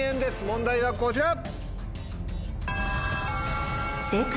問題はこちら。